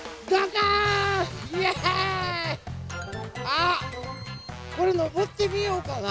あっこれのぼってみようかな。